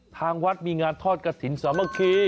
ทางวัดมีงานทอดกระสิทธิสวรรคี